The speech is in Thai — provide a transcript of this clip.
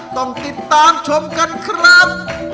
ต้องติดตามชมกันครับ